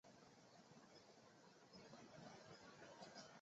普卢埃斯卡。